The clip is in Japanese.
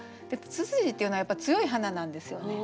ツツジっていうのは強い花なんですよね。